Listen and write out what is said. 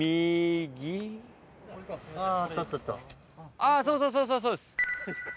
あぁそうそうそうそうそうです。